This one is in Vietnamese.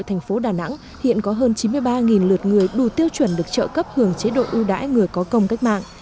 thành phố đà nẵng hiện có hơn chín mươi ba lượt người đủ tiêu chuẩn được trợ cấp hưởng chế độ ưu đãi người có công cách mạng